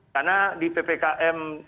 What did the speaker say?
karena di ppkm